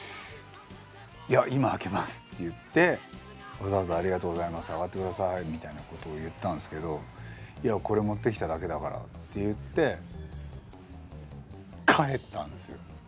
「いや今開けます」って言って「わざわざありがとうございます。上がって下さい」みたいなことを言ったんですけど「いやこれ持ってきただけだから」って言って帰ったんですよ。